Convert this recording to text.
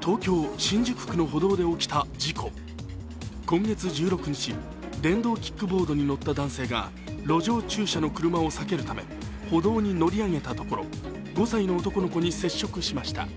東京・新宿区の歩道で起きた事故今月１６日、電動キックボードに乗った男性が路上駐車の車を避けるため歩道に乗り上げたところ５歳の男の子に接触しました。